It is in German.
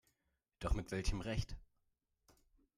Doch mit welchem Recht?